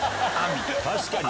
確かにな。